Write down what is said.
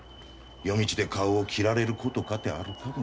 夜道で顔を切られることかてあるかもしれん。